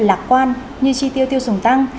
lạc quan như chi tiêu tiêu dùng tăng